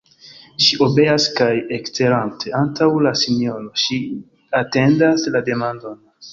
Ŝi obeas kaj ekstarante antaŭ la sinjoro, ŝi atendas la demandon.